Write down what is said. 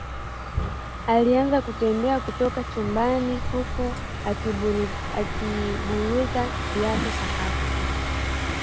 Alianza kutembea kutoka chumbani huku akiburuza viatu sakafuni